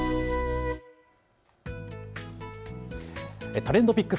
ＴｒｅｎｄＰｉｃｋｓ。